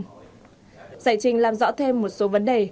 giải trình làm rõ thêm một số vấn đề